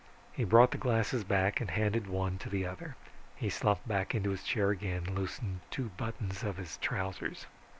He brought the glasses back and handed one to the other. He slumped back into his chair again, loosened two buttons of his trousers.